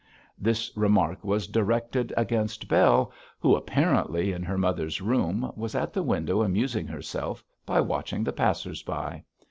This remark was directed against Bell, who, apparently in her mother's room, was at the window amusing herself by watching the passers by.